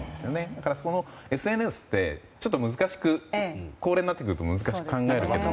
だからＳＮＳってちょっと高齢になってくると難しく感じるけれども。